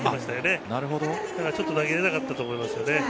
だからちょっと投げられなかったかなと思います。